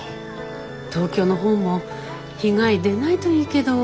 東京の方も被害出ないといいけど。